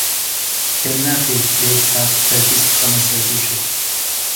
پێم ناکرێت لە یەک کات تەرکیز بخەمە سەر دوو شت.